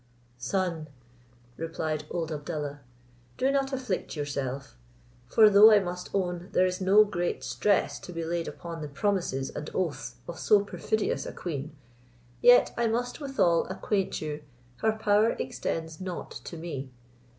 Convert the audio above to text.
"Son," replied old Abdallah, "do not afflict yourself; for though I must own, there is no great stress to be laid upon the promises and oaths of so perfidious a queen, yet I must withal acquaint you, her power extends not to me.